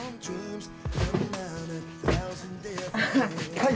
はい。